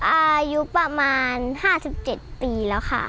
อายุประมาณ๕๗ปีแล้วค่ะ